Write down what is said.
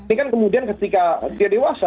ini kan kemudian ketika dia dewasa